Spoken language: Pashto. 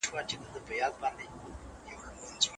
ولي هڅاند سړی د لایق کس په پرتله ښه ځلېږي؟